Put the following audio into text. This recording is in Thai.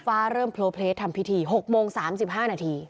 เริ่มโพลเพลสทำพิธี๖โมง๓๕นาที